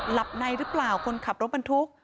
หลับในหรือเปล่าคนขับรถบรรทุก